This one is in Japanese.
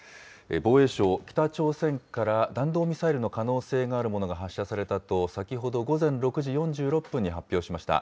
防衛省、北朝鮮から弾道ミサイルの可能性があるものが発射されたと、先ほど午前６時４６分に発表しました。